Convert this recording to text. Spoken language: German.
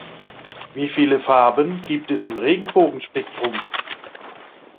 Wie viele Farben gibt es im Regenbogenspektrum?